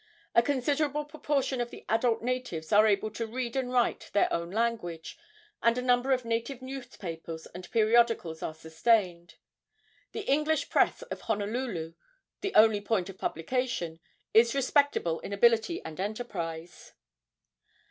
A considerable proportion of the adult natives are able to read and write their own language, and a number of native newspapers and periodicals are sustained. The English press of Honolulu the only point of publication is respectable in ability and enterprise.